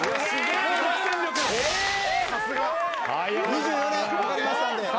２４年かかりましたんで。